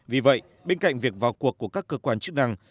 vì vậy bên cạnh việc vào cuộc của các cơ quan chức năng